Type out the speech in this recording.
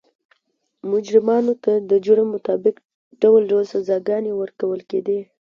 مجرمانو ته د جرم مطابق ډول ډول سزاګانې ورکول کېدې.